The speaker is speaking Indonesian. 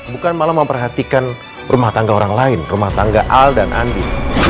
bukan malah memperhatikan rumah tangga orang lain rumah tangga al dan andi